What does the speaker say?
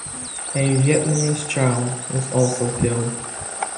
A Vietnamese child was also killed.